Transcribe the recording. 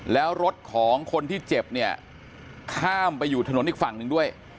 แล้วรถของคนที่เจ็บเนี่ยข้ามไปอยู่ถนนอีกฝั่งหนึ่งด้วย